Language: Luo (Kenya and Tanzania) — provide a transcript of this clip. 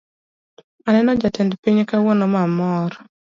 Aneno jatend piny kawuono ma amor